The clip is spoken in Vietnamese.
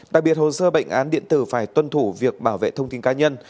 đặc biệt hồ sơ bệnh án điện tử phải tuân thủ việc bảo vệ thông tin cá nhân